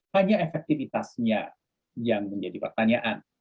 hanya efektivitasnya yang menjadi pertanyaan